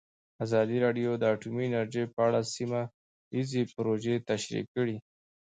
ازادي راډیو د اټومي انرژي په اړه سیمه ییزې پروژې تشریح کړې.